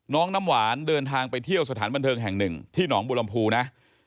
น้ำหวานเดินทางไปเที่ยวสถานบันเทิงแห่งหนึ่งที่หนองบุรมภูนะ